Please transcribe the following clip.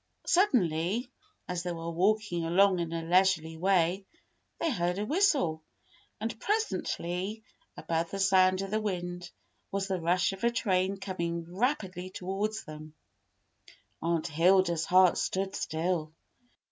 Suddenly, as they were walking along in a leisurely way they heard a whistle, and presently, above the sound of the wind, was the rush of a train coming rapidly toward them. Aunt Hilda's heart stood still.